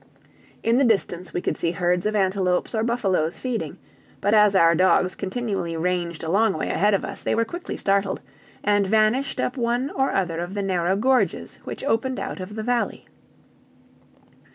In the distance we could see herds of antelopes or buffaloes feeding; but as our dogs continually ranged a long way ahead of us, they were quickly startled, and vanished up one or other of the narrow gorges which opened out of the valley.